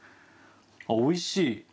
おいしい。